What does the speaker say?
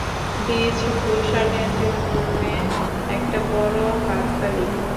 Bridge ভুশানের জন্যে একটা বড় হাততালি।